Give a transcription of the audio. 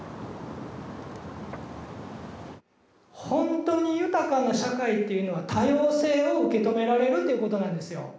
ほんとに豊かな社会っていうのは多様性を受け止められるっていうことなんですよ。